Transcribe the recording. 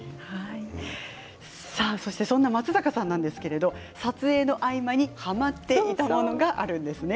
さあそしてそんな松坂さんなんですけれど撮影の合間にはまっていたものがあるんですね。